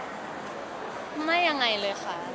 อเรนนี่ย์ไม่ยังไงเลยค่ะ